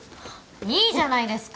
いいじゃないですか。